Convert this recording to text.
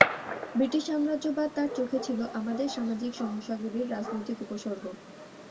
British সাম্রাজ্যবাদ তার চোখে ছিল "আমাদের সামাজিক সমস্যাগুলির রাজনৈতিক উপসর্গ"।